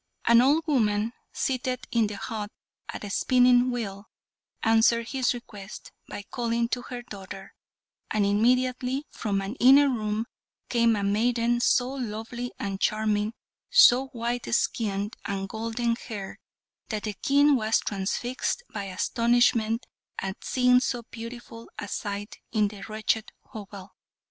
An old woman, seated in the hut at a spinning wheel, answered his request by calling to her daughter, and immediately from an inner room came a maiden so lovely and charming, so white skinned and golden haired, that the King was transfixed by astonishment at seeing so beautiful a sight in the wretched hovel.